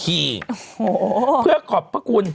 โอ้โหเพื่อขอบพระคุณ